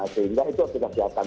sehingga itu sudah siapkan